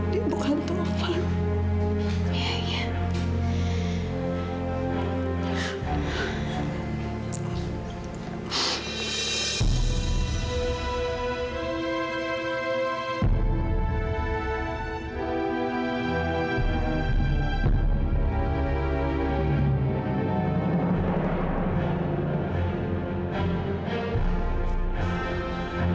dia bukan tovan